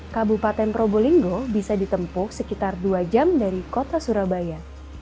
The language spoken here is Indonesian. kabupaten probolinggo bisa ditempuh sekitar dua jam dari kota surabaya